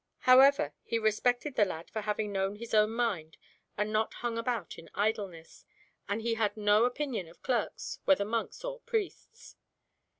However, he respected the lad for having known his own mind and not hung about in idleness, and he had no opinion of clerks, whether monks or priests.